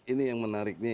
ini yang menarik nih ya